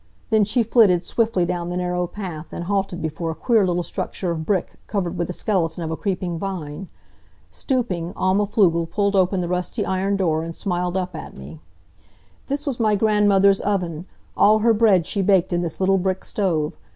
Then she flitted swiftly down the narrow path, and halted before a queer little structure of brick, covered with the skeleton of a creeping vine. Stooping, Alma Pflugel pulled open the rusty iron door and smiled up at me. "This was my grandmother's oven. All her bread she baked in this little brick stove.